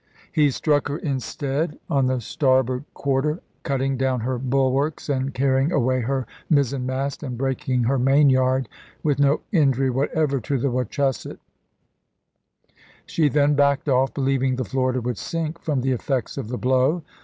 He struck her instead on the starboard quarter, cutting down her bulwarks and carrying away her mizenmast and breaking her mainyard, with no injury whatever to the Wachusett She then backed off, believing the Florida would sink from the effects of the blow.